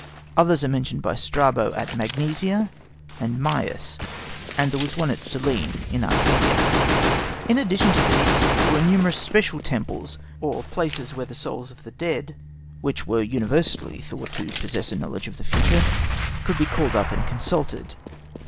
Others are mentioned by Strabo at Magnesia and Myus, and there was one at Cyllene, in Arcadia. In addition to these there were numerous special temples or places where the souls of the dead, which were universally thought to possess a knowledge of the future, could be called up and consulted e.